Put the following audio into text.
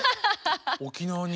沖縄に？